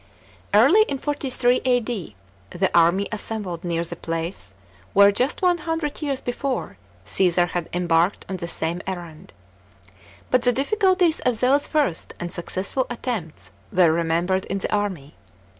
Early in 43 A.D. the army assembled near the place where, just one hundred years before, Csesar had embarked on the same errand.* But the difficulties of those first, unsuccessful attempts were remembered in the army.